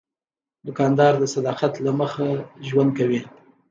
دوکاندار د صداقت له مخې ژوند کوي.